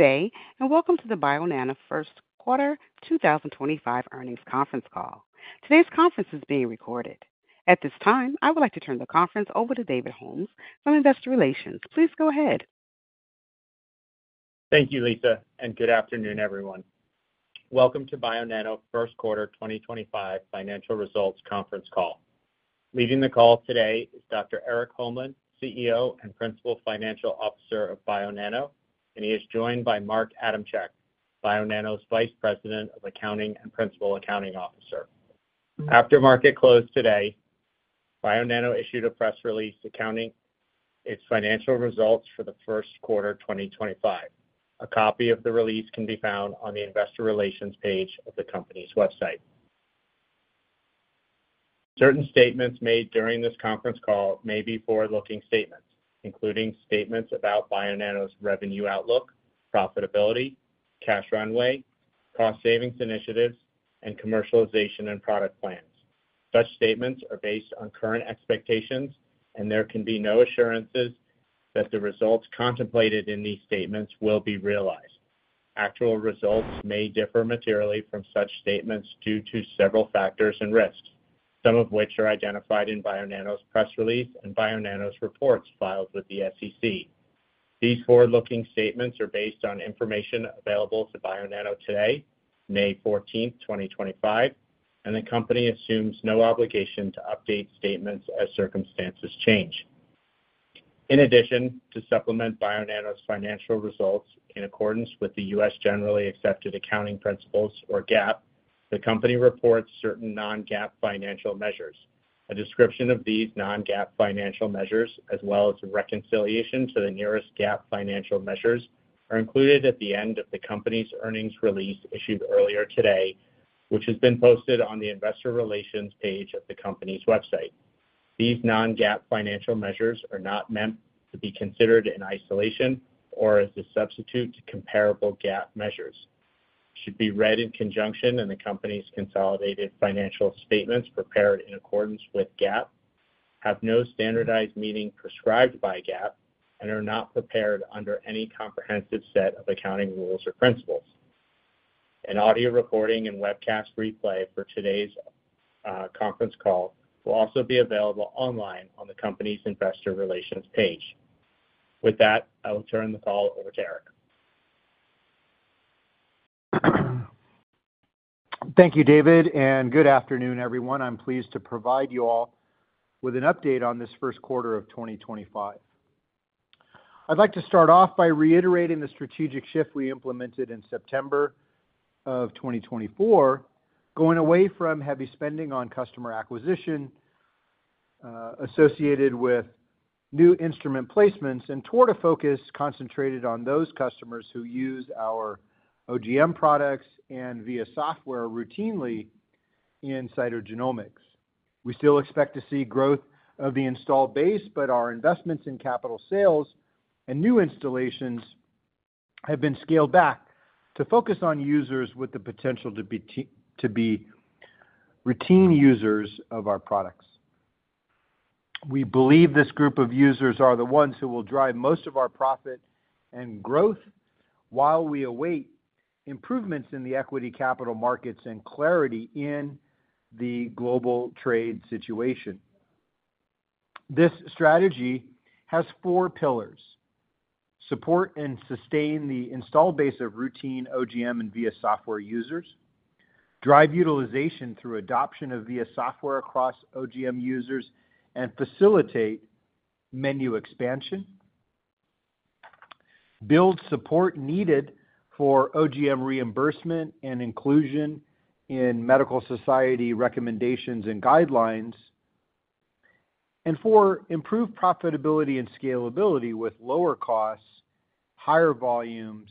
Good day, and welcome to the Bionano First Quarter 2025 earnings conference call. Today's conference is being recorded. At this time, I would like to turn the conference over to David Holmes from Investor Relations. Please go ahead. Thank you, Lisa, and good afternoon, everyone. Welcome to Bionano first quarter 2025 financial results conference call. Leading the call today is Dr. Erik Holmlin, CEO and Principal Financial Officer of Bionano, and he is joined by Mark Adamchak, Bionano's Vice President of Accounting and Principal Accounting Officer. After market close today, Bionano issued a press release announcing its financial results for the first quarter 2025. A copy of the release can be found on the Investor Relations page of the company's website. Certain statements made during this conference call may be forward-looking statements, including statements about Bionano's revenue outlook, profitability, cash runway, cost savings initiatives, and commercialization and product plans. Such statements are based on current expectations, and there can be no assurances that the results contemplated in these statements will be realized. Actual results may differ materially from such statements due to several factors and risks, some of which are identified in Bionano's press release and Bionano's reports filed with the SEC. These forward-looking statements are based on information available to Bionano today, May 14, 2025, and the company assumes no obligation to update statements as circumstances change. In addition, to supplement Bionano's financial results in accordance with the U.S. Generally Accepted Accounting Principles, or GAAP, the company reports certain non-GAAP financial measures. A description of these non-GAAP financial measures, as well as a reconciliation to the nearest GAAP financial measures, are included at the end of the company's earnings release issued earlier today, which has been posted on the Investor Relations page of the company's website. These non-GAAP financial measures are not meant to be considered in isolation or as a substitute to comparable GAAP measures. Should be read in conjunction with the company's consolidated financial statements prepared in accordance with GAAP, have no standardized meaning prescribed by GAAP, and are not prepared under any comprehensive set of accounting rules or principles. An audio recording and webcast replay for today's conference call will also be available online on the company's Investor Relations page. With that, I will turn the call over to Erik. Thank you, David, and good afternoon, everyone. I'm pleased to provide you all with an update on this first quarter of 2025. I'd like to start off by reiterating the strategic shift we implemented in September of 2024, going away from heavy spending on customer acquisition associated with new instrument placements and toward a focus concentrated on those customers who use our OGM products and VIA software routinely in cytogenomics. We still expect to see growth of the install base, but our investments in capital sales and new installations have been scaled back to focus on users with the potential to be routine users of our products. We believe this group of users are the ones who will drive most of our profit and growth while we await improvements in the equity capital markets and clarity in the global trade situation. This strategy has four pillars: support and sustain the install base of routine OGM and VIA software users, drive utilization through adoption of VIA software across OGM users and facilitate menu expansion, build support needed for OGM reimbursement and inclusion in medical society recommendations and guidelines, and for improved profitability and scalability with lower costs, higher volumes,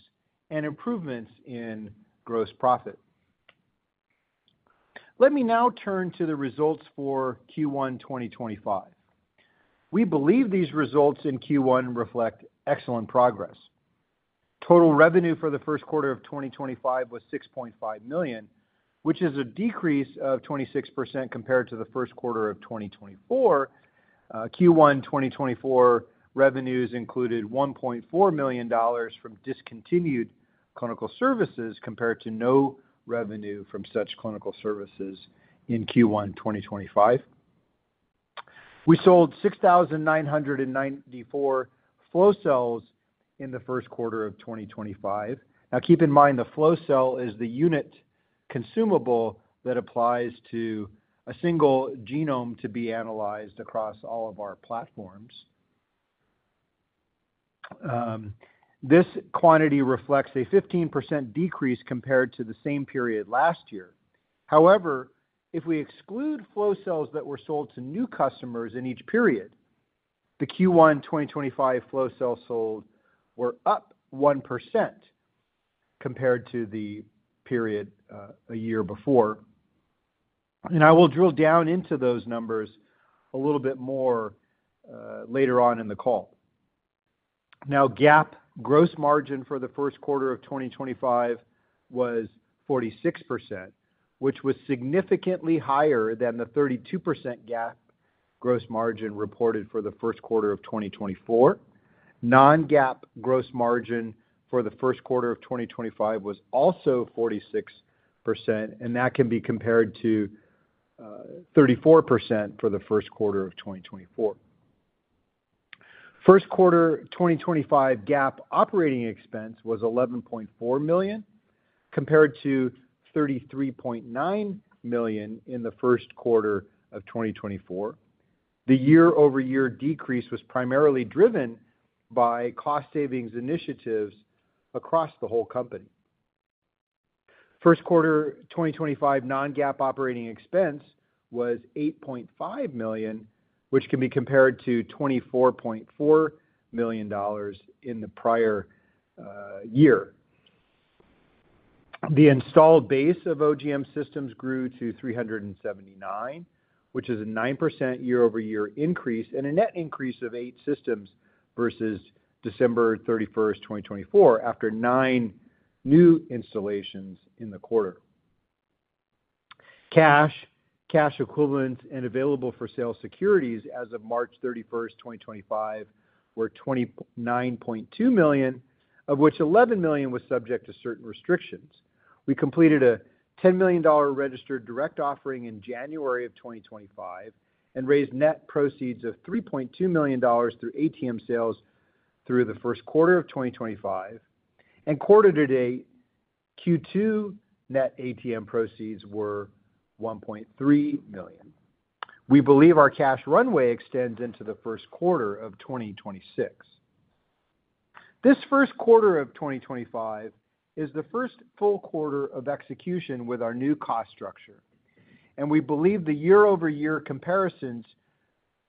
and improvements in gross profit. Let me now turn to the results for Q1 2025. We believe these results in Q1 reflect excellent progress. Total revenue for the first quarter of 2025 was $6.5 million, which is a decrease of 26% compared to the first quarter of 2024. Q1 2024 revenues included $1.4 million from discontinued clinical services compared to no revenue from such clinical services in Q1 2025. We sold 6,994 flow cells in the first quarter of 2025. Now, keep in mind the flow cell is the unit consumable that applies to a single genome to be analyzed across all of our platforms. This quantity reflects a 15% decrease compared to the same period last year. However, if we exclude flow cells that were sold to new customers in each period, the Q1 2025 flow cells sold were up 1% compared to the period a year before. I will drill down into those numbers a little bit more later on in the call. Now, GAAP gross margin for the first quarter of 2025 was 46%, which was significantly higher than the 32% GAAP gross margin reported for the first quarter of 2024. Non-GAAP gross margin for the first quarter of 2025 was also 46%, and that can be compared to 34% for the first quarter of 2024. First quarter 2025 GAAP operating expense was $11.4 million compared to $33.9 million in the first quarter of 2024. The year-over-year decrease was primarily driven by cost savings initiatives across the whole company. First quarter 2025 non-GAAP operating expense was $8.5 million, which can be compared to $24.4 million in the prior year. The install base of OGM systems grew to 379, which is a 9% year-over-year increase and a net increase of eight systems versus December 31, 2024, after nine new installations in the quarter. Cash, cash equivalents, and available-for-sale securities as of March 31, 2025, were $29.2 million, of which $11 million was subject to certain restrictions. We completed a $10 million registered direct offering in January of 2025 and raised net proceeds of $3.2 million through ATM sales through the first quarter of 2025. Quarter to date, Q2 net ATM proceeds were $1.3 million. We believe our cash runway extends into the first quarter of 2026. This first quarter of 2025 is the first full quarter of execution with our new cost structure. We believe the year-over-year comparisons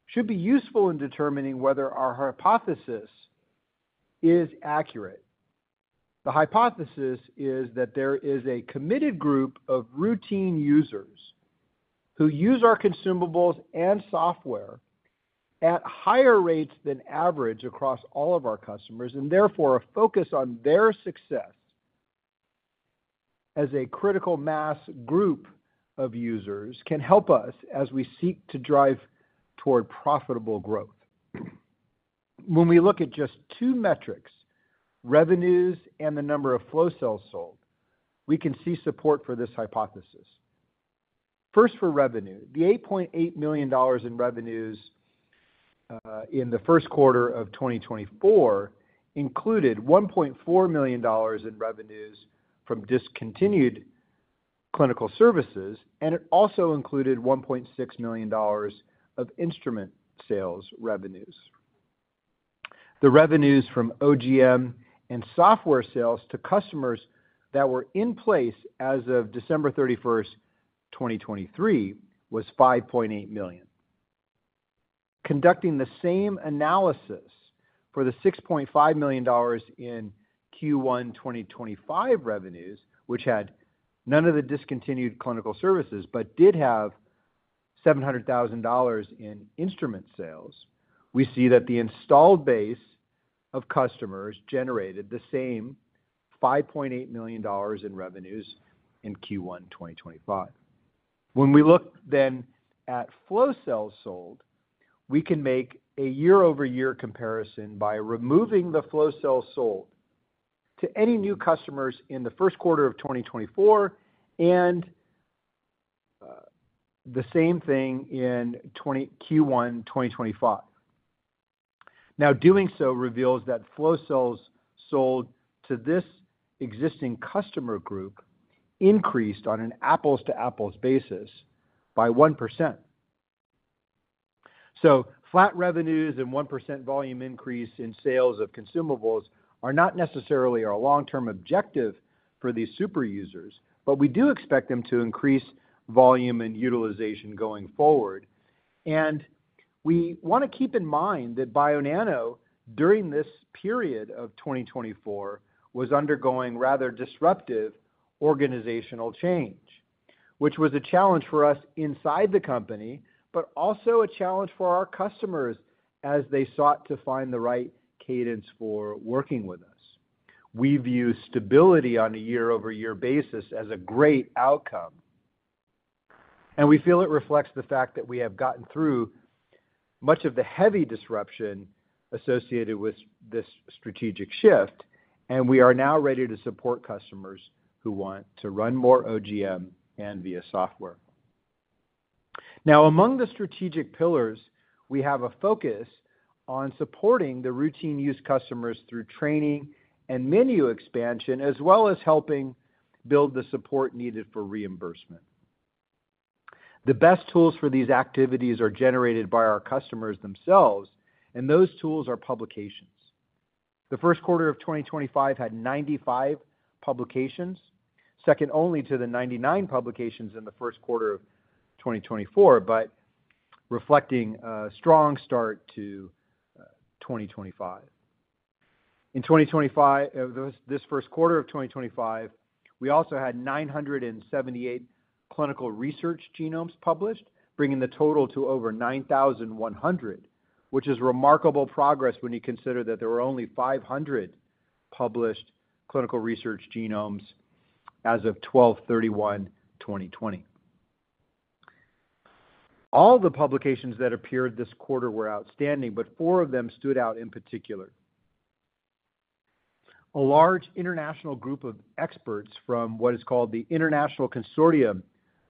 should be useful in determining whether our hypothesis is accurate. The hypothesis is that there is a committed group of routine users who use our consumables and software at higher rates than average across all of our customers, and therefore a focus on their success as a critical mass group of users can help us as we seek to drive toward profitable growth. When we look at just two metrics, revenues and the number of flow cells sold, we can see support for this hypothesis. First, for revenue, the $8.8 million in revenues in the first quarter of 2024 included $1.4 million in revenues from discontinued clinical services, and it also included $1.6 million of instrument sales revenues. The revenues from OGM and software sales to customers that were in place as of December 31, 2023, was $5.8 million. Conducting the same analysis for the $6.5 million in Q1 2025 revenues, which had none of the discontinued clinical services but did have $700,000 in instrument sales, we see that the install base of customers generated the same $5.8 million in revenues in Q1 2025. When we look then at flow cells sold, we can make a year-over-year comparison by removing the flow cells sold to any new customers in the first quarter of 2024 and the same thing in Q1 2025. Now, doing so reveals that flow cells sold to this existing customer group increased on an apples-to-apples basis by 1%. Flat revenues and 1% volume increase in sales of consumables are not necessarily our long-term objective for these super users, but we do expect them to increase volume and utilization going forward. We want to keep in mind that Bionano, during this period of 2024, was undergoing rather disruptive organizational change, which was a challenge for us inside the company, but also a challenge for our customers as they sought to find the right cadence for working with us. We view stability on a year-over-year basis as a great outcome, and we feel it reflects the fact that we have gotten through much of the heavy disruption associated with this strategic shift, and we are now ready to support customers who want to run more OGM and VIA software. Now, among the strategic pillars, we have a focus on supporting the routine use customers through training and menu expansion, as well as helping build the support needed for reimbursement. The best tools for these activities are generated by our customers themselves, and those tools are publications. The first quarter of 2025 had 95 publications, second only to the 99 publications in the first quarter of 2024, but reflecting a strong start to 2025. In 2025, this first quarter of 2025, we also had 978 clinical research genomes published, bringing the total to over 9,100, which is remarkable progress when you consider that there were only 500 published clinical research genomes as of 12/31/2020. All the publications that appeared this quarter were outstanding, but four of them stood out in particular. A large international group of experts from what is called the International Consortium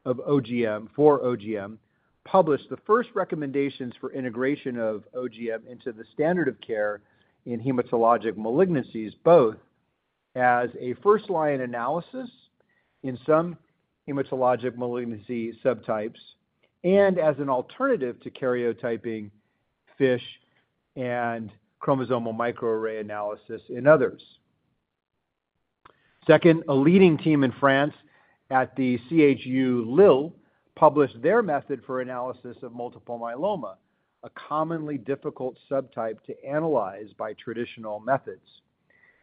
for OGM published the first recommendations for integration of OGM into the standard of care in hematologic malignancies, both as a first-line analysis in some hematologic malignancy subtypes and as an alternative to karyotyping, FISH, and chromosomal microarray analysis in others. Second, a leading team in France at the CHU Lille published their method for analysis of multiple myeloma, a commonly difficult subtype to analyze by traditional methods.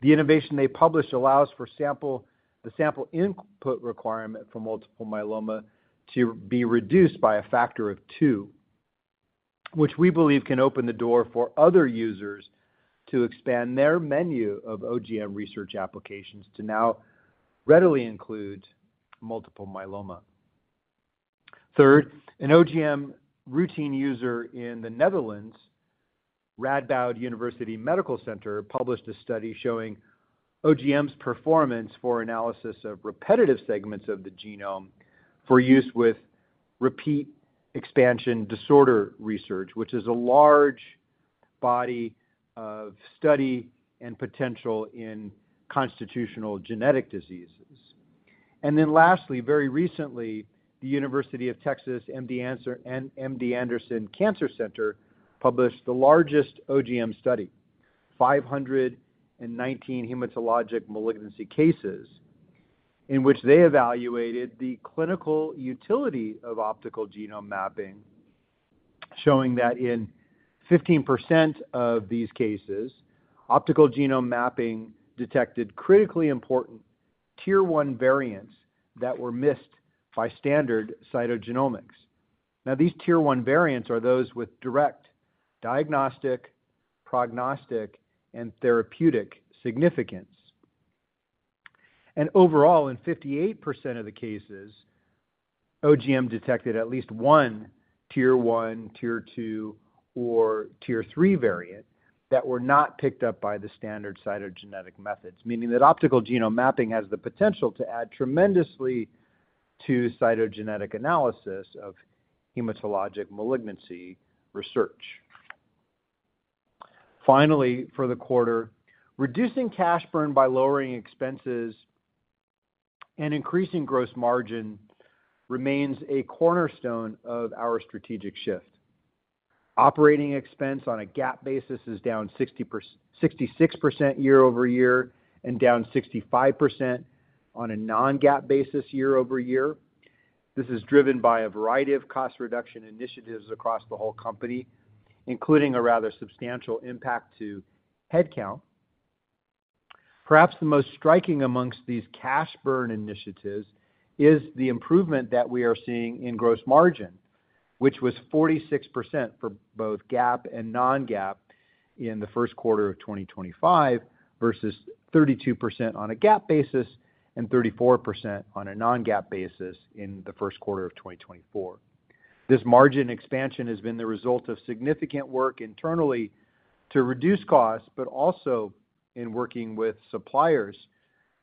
The innovation they published allows for the sample input requirement for multiple myeloma to be reduced by a factor of two, which we believe can open the door for other users to expand their menu of OGM research applications to now readily include multiple myeloma. Third, an OGM routine user in the Netherlands, Radboud University Medical Center, published a study showing OGM's performance for analysis of repetitive segments of the genome for use with repeat expansion disorder research, which is a large body of study and potential in constitutional genetic diseases. Lastly, very recently, the University of Texas MD Anderson Cancer Center published the largest OGM study, 519 hematologic malignancy cases, in which they evaluated the clinical utility of optical genome mapping, showing that in 15% of these cases, optical genome mapping detected critically important tier-one variants that were missed by standard cytogenomics. Now, these tier-one variants are those with direct diagnostic, prognostic, and therapeutic significance. Overall, in 58% of the cases, OGM detected at least one tier-one, tier-two, or tier-three variant that were not picked up by the standard cytogenetic methods, meaning that optical genome mapping has the potential to add tremendously to cytogenetic analysis of hematologic malignancy research. Finally, for the quarter, reducing cash burn by lowering expenses and increasing gross margin remains a cornerstone of our strategic shift. Operating expense on a GAAP basis is down 66% year-over-year and down 65% on a non-GAAP basis year-over-year. This is driven by a variety of cost reduction initiatives across the whole company, including a rather substantial impact to headcount. Perhaps the most striking amongst these cash burn initiatives is the improvement that we are seeing in gross margin, which was 46% for both GAAP and non-GAAP in the first quarter of 2025 versus 32% on a GAAP basis and 34% on a non-GAAP basis in the first quarter of 2024. This margin expansion has been the result of significant work internally to reduce costs, but also in working with suppliers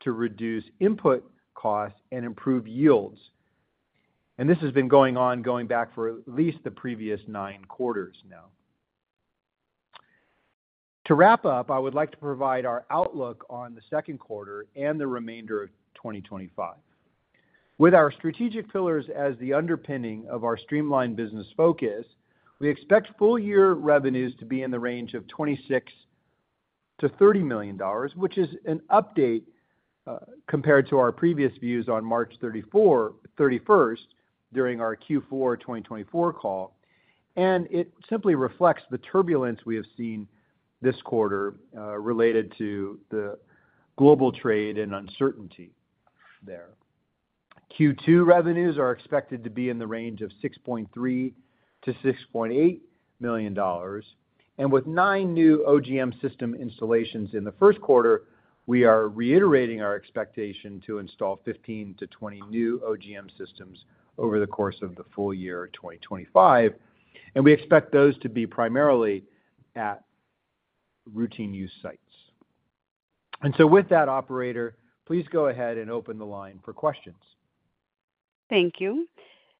to reduce input costs and improve yields. This has been going on going back for at least the previous nine quarters now. To wrap up, I would like to provide our outlook on the second quarter and the remainder of 2025. With our strategic pillars as the underpinning of our streamlined business focus, we expect full-year revenues to be in the range of $26 million-$30 million, which is an update compared to our previous views on March 31st during our Q4 2024 call. It simply reflects the turbulence we have seen this quarter related to the global trade and uncertainty there. Q2 revenues are expected to be in the range of $6.3 million-$6.8 million. With nine new OGM system installations in the first quarter, we are reiterating our expectation to install 15-20 new OGM systems over the course of the full year 2025. We expect those to be primarily at routine use sites. With that, Operator, please go ahead and open the line for questions. Thank you.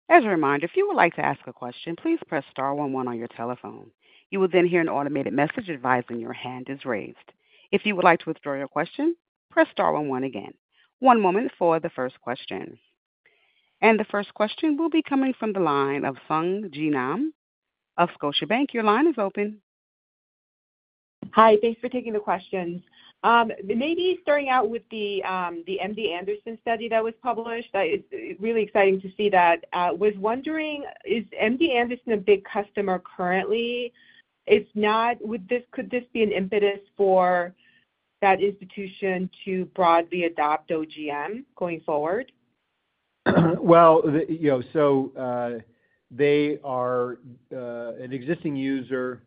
As a reminder, if you would like to ask a question, please press star one one on your telephone. You will then hear an automated message advising your hand is raised. If you would like to withdraw your question, press star one one again. One moment for the first question. The first question will be coming from the line of Sung Ji Nam of Scotiabank. Your line is open. Hi. Thanks for taking the questions. Maybe starting out with the MD Anderson study that was published, it's really exciting to see that. I was wondering, is MD Anderson a big customer currently? Could this be an impetus for that institution to broadly adopt OGM going forward? They are an existing user,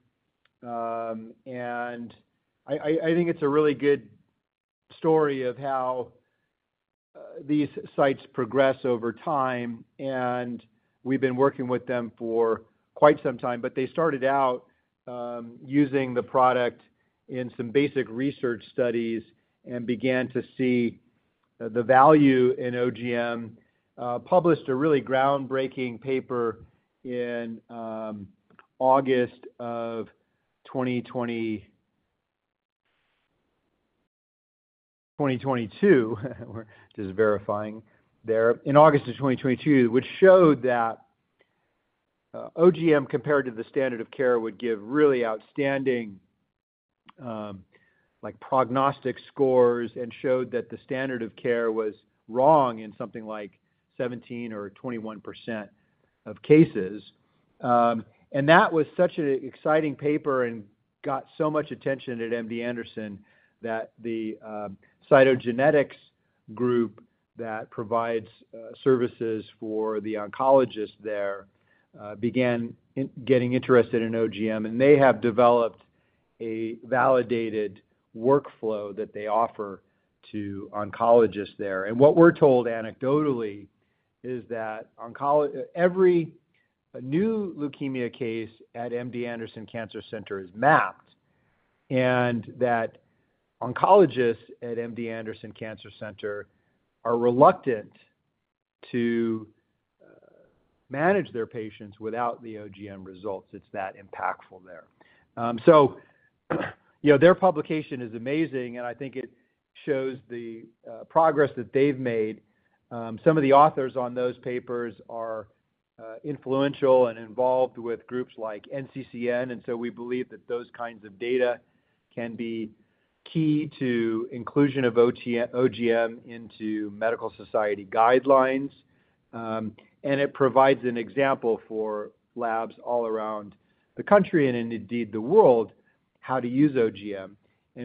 and I think it's a really good story of how these sites progress over time. We have been working with them for quite some time, but they started out using the product in some basic research studies and began to see the value in OGM. They published a really groundbreaking paper in August of 2022. We are just verifying there. In August of 2022, which showed that OGM, compared to the standard of care, would give really outstanding prognostic scores and showed that the standard of care was wrong in something like 17% or 21% of cases. That was such an exciting paper and got so much attention at MD Anderson that the cytogenetics group that provides services for the oncologists there began getting interested in OGM. They have developed a validated workflow that they offer to oncologists there. What we're told anecdotally is that every new leukemia case at MD Anderson Cancer Center is mapped and that oncologists at MD Anderson Cancer Center are reluctant to manage their patients without the OGM results. It's that impactful there. Their publication is amazing, and I think it shows the progress that they've made. Some of the authors on those papers are influential and involved with groups like NCCN. We believe that those kinds of data can be key to inclusion of OGM into medical society guidelines. It provides an example for labs all around the country and indeed the world how to use OGM.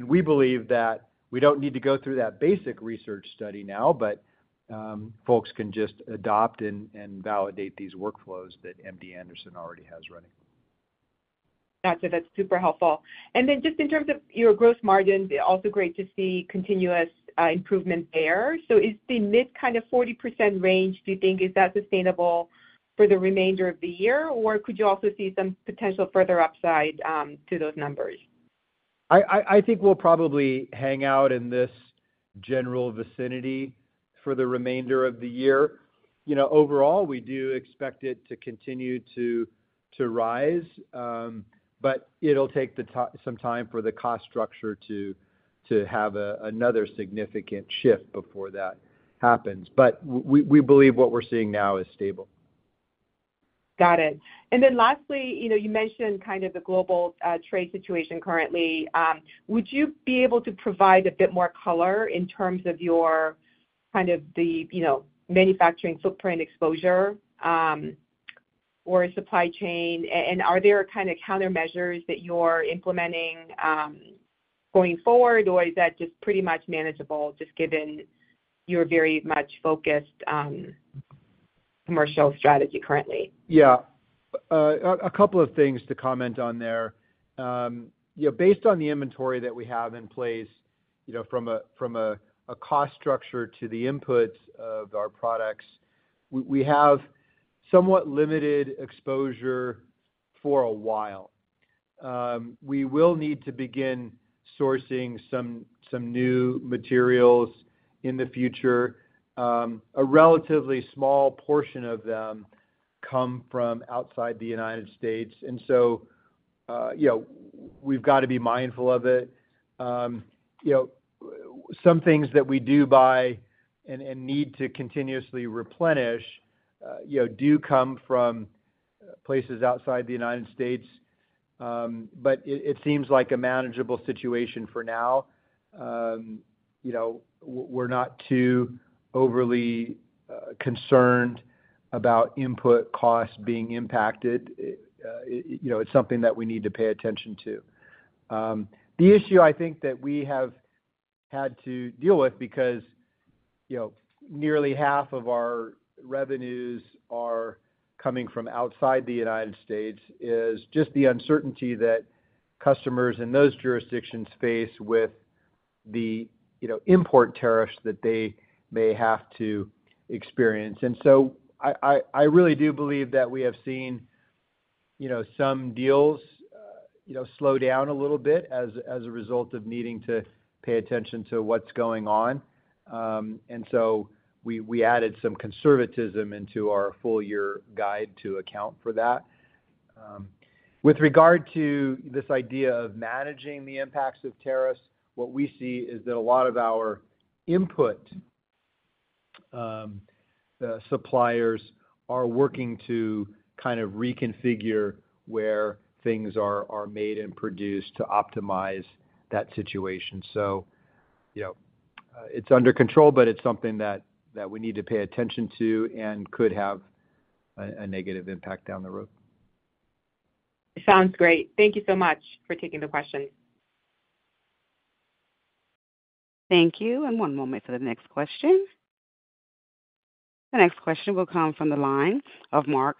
We believe that we don't need to go through that basic research study now, but folks can just adopt and validate these workflows that MD Anderson already has running. Gotcha. That's super helpful. Just in terms of your gross margins, also great to see continuous improvement there. Is the mid 40% range, do you think, is that sustainable for the remainder of the year? Or could you also see some potential further upside to those numbers? I think we'll probably hang out in this general vicinity for the remainder of the year. Overall, we do expect it to continue to rise, but it'll take some time for the cost structure to have another significant shift before that happens. We believe what we're seeing now is stable. Got it. Lastly, you mentioned kind of the global trade situation currently. Would you be able to provide a bit more color in terms of your manufacturing footprint exposure or supply chain? Are there kind of countermeasures that you're implementing going forward, or is that just pretty much manageable just given your very much focused commercial strategy currently? Yeah. A couple of things to comment on there. Based on the inventory that we have in place from a cost structure to the inputs of our products, we have somewhat limited exposure for a while. We will need to begin sourcing some new materials in the future. A relatively small portion of them come from outside the United States. We have to be mindful of it. Some things that we do buy and need to continuously replenish do come from places outside the United States. It seems like a manageable situation for now. We're not too overly concerned about input costs being impacted. It's something that we need to pay attention to. The issue, I think, that we have had to deal with because nearly half of our revenues are coming from outside the U.S. is just the uncertainty that customers in those jurisdictions face with the import tariffs that they may have to experience. I really do believe that we have seen some deals slow down a little bit as a result of needing to pay attention to what's going on. We added some conservatism into our full-year guide to account for that. With regard to this idea of managing the impacts of tariffs, what we see is that a lot of our input suppliers are working to kind of reconfigure where things are made and produced to optimize that situation. It is under control, but it is something that we need to pay attention to and could have a negative impact down the road. Sounds great. Thank you so much for taking the questions. Thank you. One moment for the next question. The next question will come from the line of Mark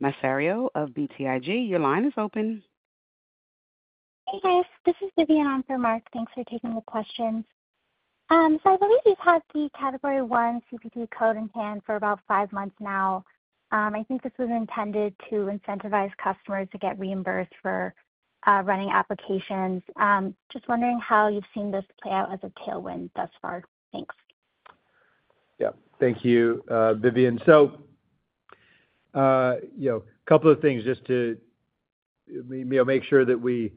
Massaro of BTIG. Your line is open. Hey, guys. This is Vidyun on for Mark. Thanks for taking the questions. I believe you've had the category one CPT code in hand for about five months now. I think this was intended to incentivize customers to get reimbursed for running applications. Just wondering how you've seen this play out as a tailwind thus far. Thanks. Yeah. Thank you, Vidyun. A couple of things just to make sure that we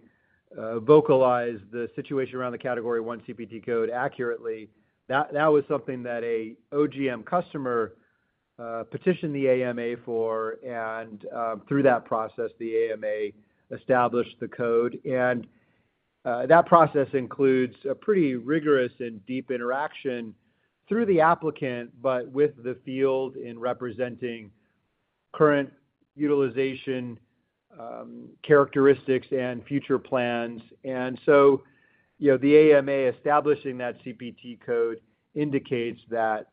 vocalize the situation around the category one CPT code accurately. That was something that an OGM customer petitioned the AMA for. Through that process, the AMA established the code. That process includes a pretty rigorous and deep interaction through the applicant, but with the field in representing current utilization characteristics and future plans. The AMA establishing that CPT code indicates that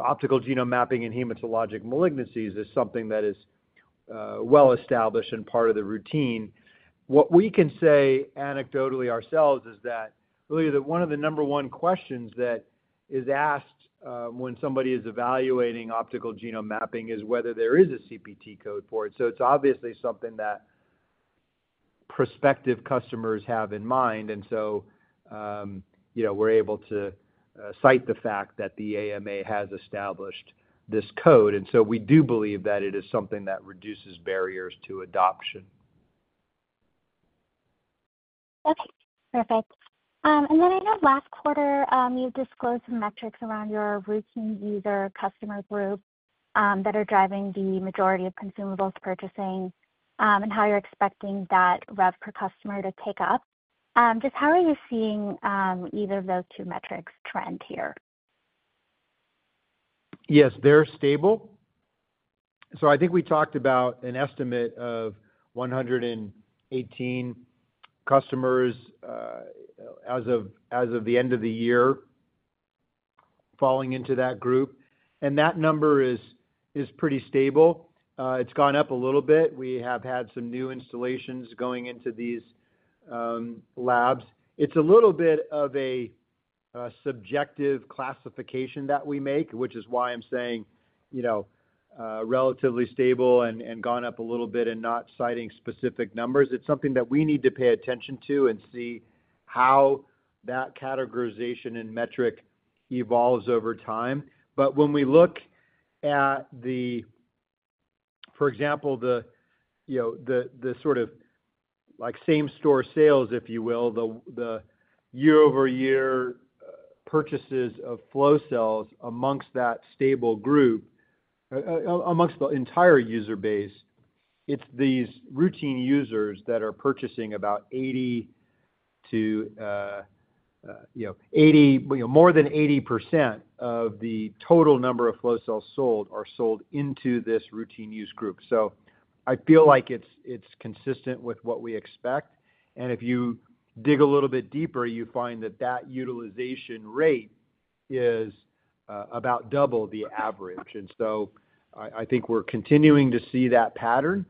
optical genome mapping in hematologic malignancies is something that is well established and part of the routine. What we can say anecdotally ourselves is that really one of the number one questions that is asked when somebody is evaluating optical genome mapping is whether there is a CPT code for it. It is obviously something that prospective customers have in mind. We are able to cite the fact that the AMA has established this code. We do believe that it is something that reduces barriers to adoption. Okay. Perfect.I know last quarter, you disclosed some metrics around your routine user customer group that are driving the majority of consumables purchasing and how you're expecting that rev per customer to tick up. Just how are you seeing either of those two metrics trend here? Yes, they're stable. I think we talked about an estimate of 118 customers as of the end of the year falling into that group. That number is pretty stable. It's gone up a little bit. We have had some new installations going into these labs. It's a little bit of a subjective classification that we make, which is why I'm saying relatively stable and gone up a little bit and not citing specific numbers. It's something that we need to pay attention to and see how that categorization and metric evolves over time. When we look at, for example, the sort of same-store sales, if you will, the year-over-year purchases of flow cells amongst that stable group, amongst the entire user base, it's these routine users that are purchasing about 80% to more than 80% of the total number of flow cells sold are sold into this routine use group. I feel like it's consistent with what we expect. If you dig a little bit deeper, you find that that utilization rate is about double the average. I think we're continuing to see that pattern.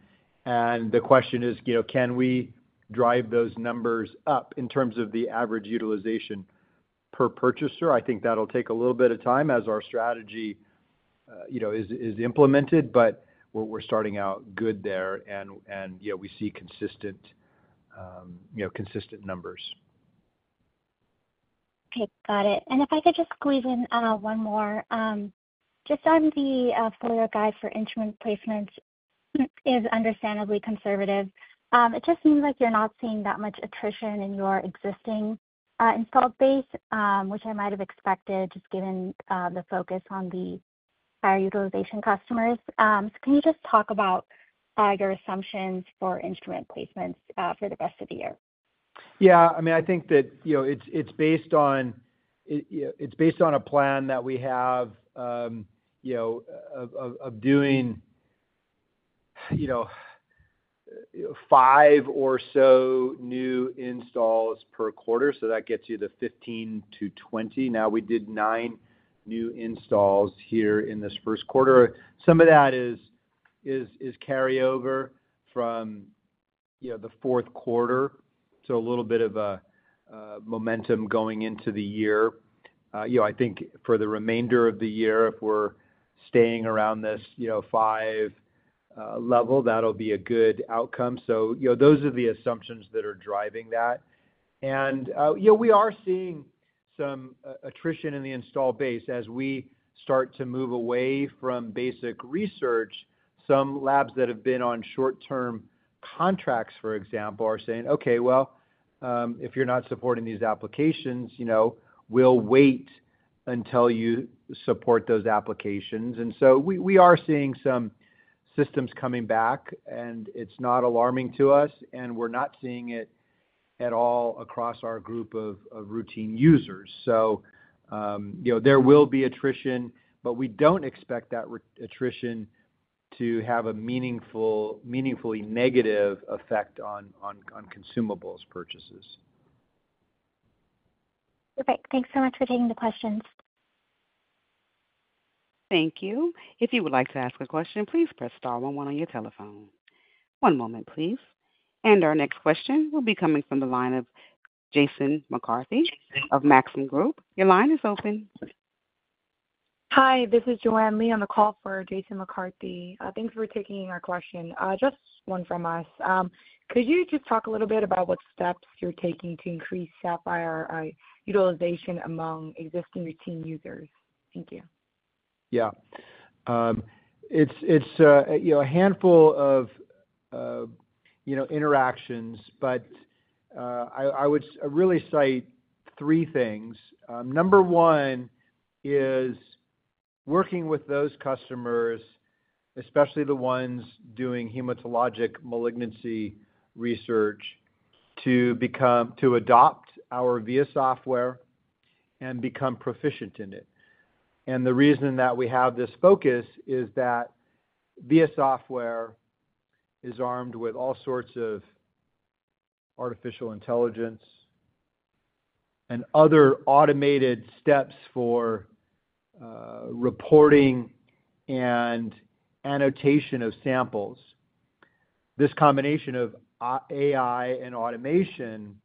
The question is, can we drive those numbers up in terms of the average utilization per purchaser? I think that'll take a little bit of time as our strategy is implemented, but we're starting out good there. We see consistent numbers. Okay. Got it. If I could just squeeze in one more. Just on the full year guide for instrument placement is understandably conservative. It just seems like you're not seeing that much attrition in your existing installed base, which I might have expected just given the focus on the higher utilization customers. Can you just talk about your assumptions for instrument placements for the rest of the year? Yeah. I mean, I think that it's based on a plan that we have of doing five or so new installs per quarter. That gets you to 15-20. Now, we did nine new installs here in this first quarter. Some of that is carryover from the fourth quarter. A little bit of a momentum going into the year. I think for the remainder of the year, if we're staying around this five level, that'll be a good outcome. Those are the assumptions that are driving that. We are seeing some attrition in the installed base as we start to move away from basic research. Some labs that have been on short-term contracts, for example, are saying, "Okay, well, if you're not supporting these applications, we'll wait until you support those applications." We are seeing some systems coming back, and it's not alarming to us. We're not seeing it at all across our group of routine users. There will be attrition, but we don't expect that attrition to have a meaningfully negative effect on consumables purchases. Perfect. Thanks so much for taking the questions. Thank you. If you would like to ask a question, please press star one one on your telephone. One moment, please. Our next question will be coming from the line of Jason McCarthy of Maxim Group. Your line is open. Hi. This is Joanne Lee on the call for Jason McCarthy. Thanks for taking our question. Just one from us. Could you just talk a little bit about what steps you're taking to increase Saphyr utilization among existing routine users? Thank you. Yeah. It's a handful of interactions, but I would really cite three things. Number one is working with those customers, especially the ones doing hematologic malignancy research, to adopt our VIA software and become proficient in it. The reason that we have this focus is that VIA software is armed with all sorts of artificial intelligence and other automated steps for reporting and annotation of samples. This combination of AI and automation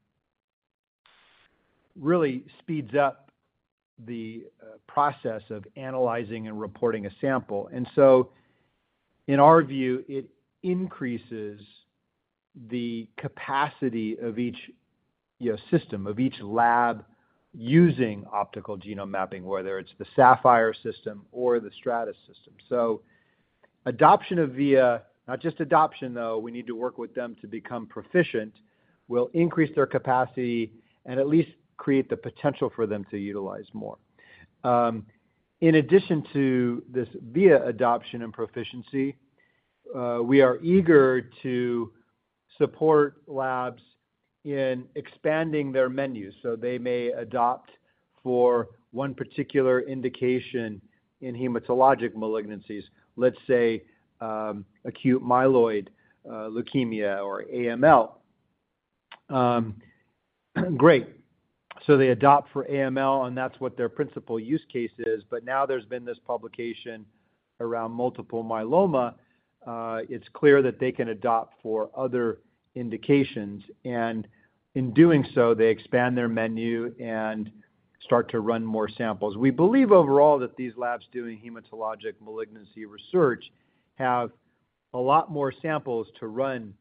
really speeds up the process of analyzing and reporting a sample. In our view, it increases the capacity of each system, of each lab using optical genome mapping, whether it's the Saphyr system or the Stratys system. Adoption of Via, not just adoption, though, we need to work with them to become proficient, will increase their capacity and at least create the potential for them to utilize more. In addition to this VIA adoption and proficiency, we are eager to support labs in expanding their menus so they may adopt for one particular indication in hematologic malignancies, let's say acute myeloid leukemia or AML. Great. They adopt for AML, and that's what their principal use case is. Now there's been this publication around multiple myeloma. It's clear that they can adopt for other indications. In doing so, they expand their menu and start to run more samples. We believe overall that these labs doing hematologic malignancy research have a lot more samples to run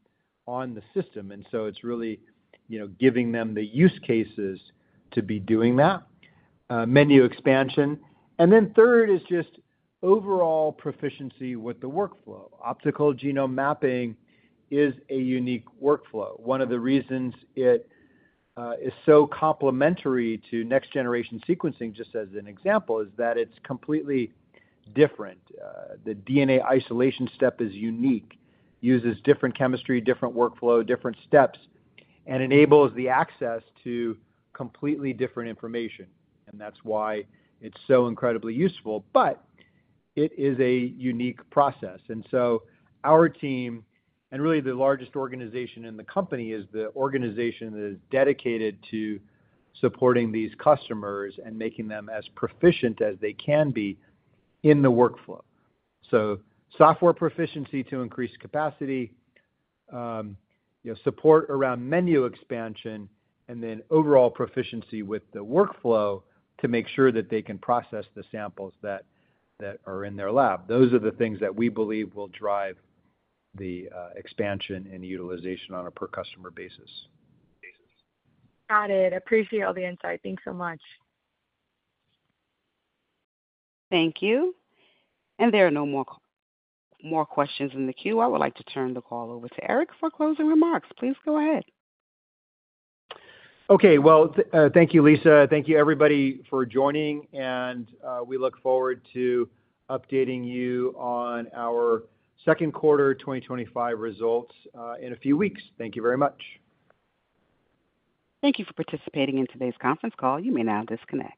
on the system. It is really giving them the use cases to be doing that menu expansion. Third is just overall proficiency with the workflow. Optical genome mapping is a unique workflow. One of the reasons it is so complementary to next-generation sequencing, just as an example, is that it is completely different. The DNA isolation step is unique, uses different chemistry, different workflow, different steps, and enables the access to completely different information. That is why it is so incredibly useful. It is a unique process. Our team, and really the largest organization in the company, is the organization that is dedicated to supporting these customers and making them as proficient as they can be in the workflow. Software proficiency to increase capacity, support around menu expansion, and then overall proficiency with the workflow to make sure that they can process the samples that are in their lab. Those are the things that we believe will drive the expansion and utilization on a per-customer basis. Got it. Appreciate all the insight. Thanks so much. Thank you. There are no more questions in the queue. I would like to turn the call over to Erik for closing remarks. Please go ahead. Thank you, Lisa. Thank you, everybody, for joining. We look forward to updating you on our second quarter 2025 results in a few weeks. Thank you very much. Thank you for participating in today's conference call. You may now disconnect.